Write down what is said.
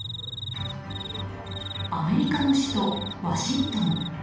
アメリカの首都ワシントン。